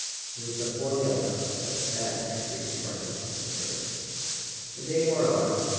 .." It was the formula that sped every departing soldier. The day wore on.